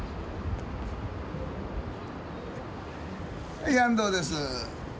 はい安藤です。